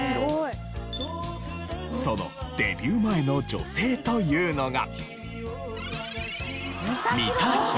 そのデビュー前の女性というのが。